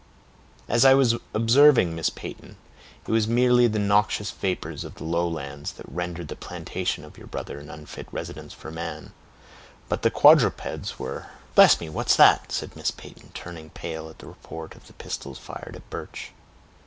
"As I was observing, Miss Peyton, it was merely the noxious vapors of the lowlands that rendered the plantation of your brother an unfit residence for man; but quadrupeds were—" "Bless me, what's that?" said Miss Peyton, turning pale at the report of the pistols fired at Birch.